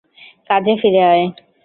কাজে ফিরে আয়!